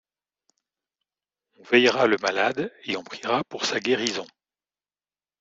On veillera le malade et on priera pour sa guérison.